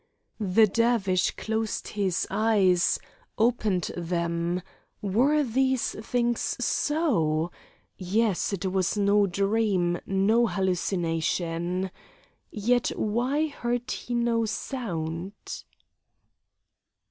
The Dervish closed his eyes, opened them, Were these things so? Yes, it was no dream, no hallucination. Yet why heard he no sound?